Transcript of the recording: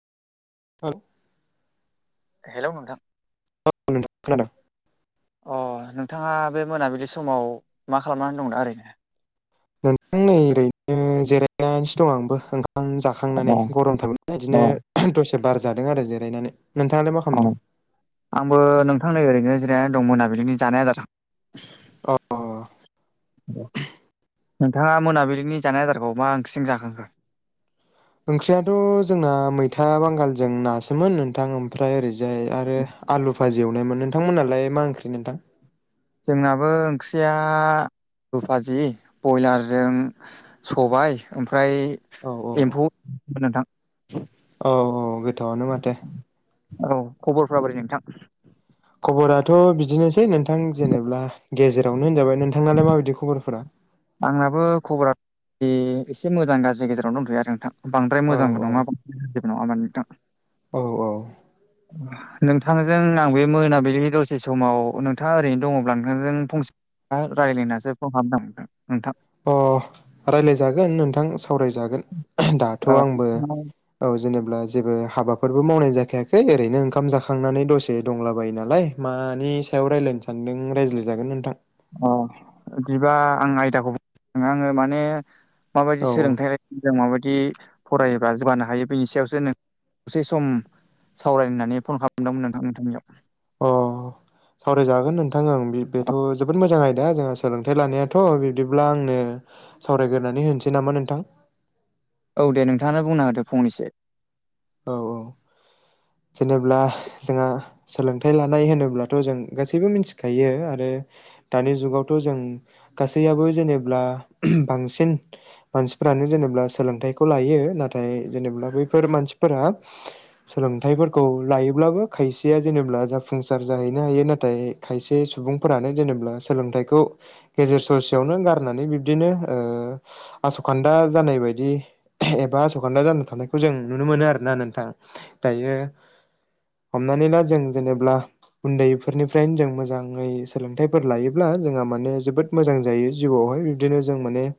[unintelligible] Hello नोंथां। [inaudible] नोंथां खोनादों। अ नोंथाङा बे मोनाबिलि समाव मा खालामनानै दं दा ओरैनो? नोंथां नै ओरैनो जिरायनानैसो दं आंबो ओंखाम जा अ खांनानै गरमथार [inaudible] अ बिदिनो दसे बार जादों आरो जिरायनानै नोंथाङालाय मा अ खामदों? आंबो नोंथां नै ओरैनो जिरायनानै दं मोनाबिलिनि जानाय आदार अ [unintelligible] नोंथाङा मोनाबिलिनि जानाय आदारखौ मा ओंख्रिजों जाखांखो? ओंख्रियाथ' जोंना मैथा बांगालजों नासोमोन नोंथां ओमफ्राय ओरै जाय आरो आलु फाजि एवनायमोन नोंथांमोनालाय मा ओंख्रि नोंथां? जोंनाबो ओंख्रिया लुफाजि बयलारजों सबाय ओमफ्राय औ औ एम्फौ [unintelligible] नोंथां। औ औ गोथावानो माथो खबरफ्रा बोरै नोंथां? खबराथ' बिदिनोसै नोंथां जेनेब्ला गेजेरावनो होनजाबाय नोंथांनालाय माबायदि खबरफोरा? आंनाबो खबरा [unintelligible] एसे मोजां गाज्रि गेजेरावनो दंथैयो आरो नोंथां बांद्राय औ मोजांबो औ नङा [unintelligible] [unintelligible] औ औ। [unintelligible] नोंथांजों आं बे मोनाबिलिनि दसे समाव नोंथाङा ओरैनो दङब्ला नोंथांजों फंसे [unintelligible] रायज्लायनासो फन खालामदों नोंथां नोंथां। अ राय्लायजागोन नोंथां सावरायजागोन दाथ' आंबो ओ औ जेनेबब्ला जेबो हाबाफोरबो मावनाय जाखायाखै ओरैनो ओंखाम जाखांनानै दसे दंलाबायो नालाय। मानि सायाव रायलायनो सानदों रायज्लायजागोन नोंथां। अ इदिबा आं आयदाखौ [inaudible] आङो माने। माबायदि औ औ सोलोंथाइ [unintelligible] माबायदि। फरायोबा जौगानो हायो बेनि सायावसो नों दसे सम सावरायनो नानै फन खालामदोंमोन नोंथां नोंथांनियाव। अ। सावरायजागोन नोंथां ओं बेथ' जोबोद मोजां आयदा जोंहा सोलोंथाइ लानायाथ' बिबदिब्ला आंनो सावरायगोरनानै होनोसै नामा नोंथां? औ दे नोंथाङा बुंना होदो फंनैसो। औ औ जेनेब्ला जोंहा सोलोंथाइ लानाय होनोब्लाथ' जों गासैबो मिथिखायो आरो दानि जुगावथ' जों गासैयाबो जेनेब्ला बांसिन मानसिफोरानो जेनेब्ला सोलोंथाइखौ लायो नाथाय जेनेब्ला बैफोर मानसिफोरा सोलोंथाइफोरखौ लायोब्लाबो खायसेया जेनेब्ला जाफुंसार जाहैनो हायो नाथाय खायसे सुबुंफोरानो जेनेब्ला सोलोंथाइखौ गेजेर ससेयावनो गारनानै बिब्दिनो ओ आस'खान्दा जानाय बायदि एबा आस'खान्दा जाना थानायखौ जों नुनो मोनो आरो। ना नोंथां दायो हमनानै ना जों जेनेब्ला उन्दैफोरनिफ्रायनो जों मोजाङै सोलोंथाइफोर लायोब्ला जोंहा माने जोबोद मोजां जायो जिउआवहाय बिबदिनो जों माने